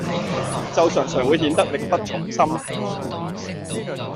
就常常會顯得力不從心